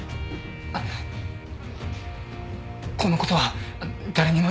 このことは誰にも